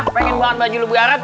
pengen bawa baju lebaran